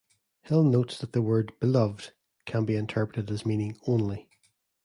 Hill notes that the word "beloved" can be interpreted as meaning "only".